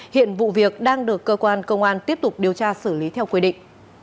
hiện vụ việc đang được cơ quan công an tiếp tục điều tra xử lý theo quy định